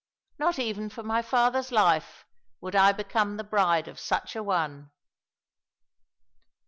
Not even for my father's life would I become the bride of such a one!"